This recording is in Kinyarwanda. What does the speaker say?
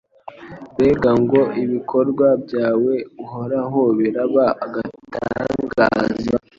Mbega ngo ibikorwa byawe Uhoraho biraba agatangaza